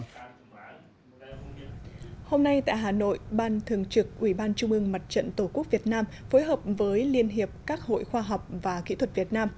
hôm nay tại hà nội ban thường trực ubnd tổ quốc việt nam phối hợp với liên hiệp các hội khoa học và kỹ thuật việt nam